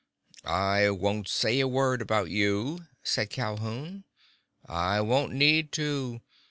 "I won't say a word about you," said Calhoun. "I won't need to.